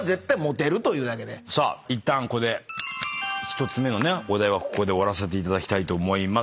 さあいったんここで１つ目のお題はここで終わらせていただきたいと思います。